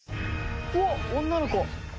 ・うおっ女の子。